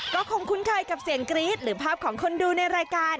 ก็คงคุ้นเคยกับเสียงกรี๊ดหรือภาพของคนดูในรายการ